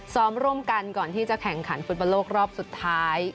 ซ้อมร่วมกันก่อนที่จะแข่งขันฟุตบอลโลกรอบสุดท้าย